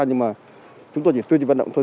nhưng mà chúng tôi chỉ tuyên đi vận động thôi